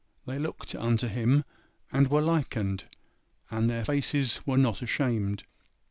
'They looked unto Him, and were likened, and their faces were not ashamed.